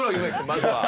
まずは。